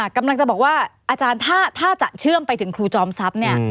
กำลังจะบอกว่าอาจารย์ถ้าจะเชื่อมไปถึงครูจอมทรัพย์เนี่ย